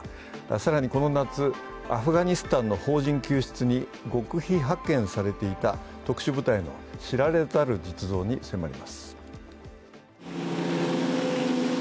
更にこの夏、アフガニスタンの邦人救出に極秘派遣されていた特殊部隊の知られざる実像に迫ります。